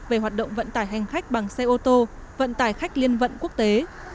về hoạt động vận tải hành khách bằng xe ô tô vận tải khách liên vận quốc tế